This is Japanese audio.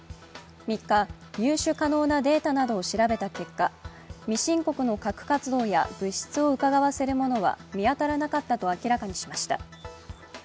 ３日、入手可能なデータなどを調べた結果、未申告の核活動や物質をうかがわせるものは見当たらなかったと明らかにしました。